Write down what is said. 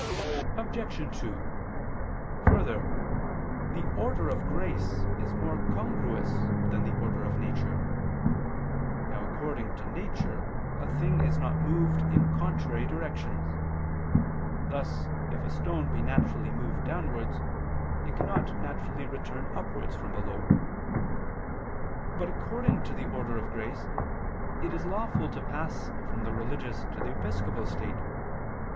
Obj. 2: Further, the order of grace is more congruous than the order of nature. Now according to nature a thing is not moved in contrary directions; thus if a stone be naturally moved downwards, it cannot naturally return upwards from below. But according to the order of grace it is lawful to pass from the religious to the episcopal state.